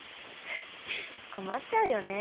困っちゃうよね。